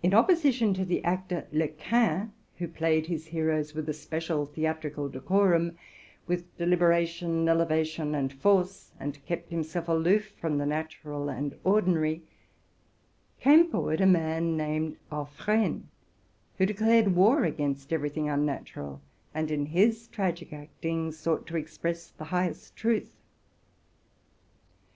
85 In opposition to the actor Lecain, who acted his heroes with especial theatrical decorum, with deliberation, elevation, and force, and kept himself aloof from the natural and ordi nary, came forward a man named Aufresne, who declared war against every thing unnatural, and in his tragic acting sought to express the highest truth.